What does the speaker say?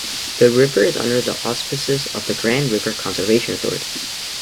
The river is under the auspices of the Grand River Conservation Authority.